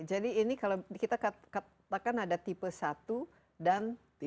jadi ini kalau kita katakan ada tipe satu dan tipe dua